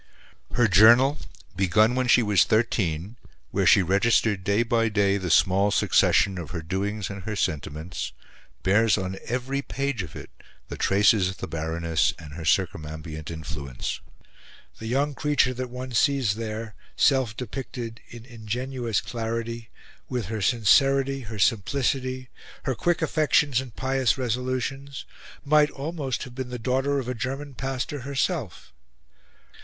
Her journal, begun when she was thirteen, where she registered day by day the small succession of her doings and her sentiments, bears on every page of it the traces of the Baroness and her circumambient influence. The young creature that one sees there, self depicted in ingenuous clarity, with her sincerity, her simplicity, her quick affections and pious resolutions, might almost have been the daughter of a German pastor herself.